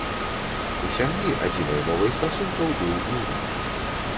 У сям'і адзінай мовай стасункаў быў іўрыт.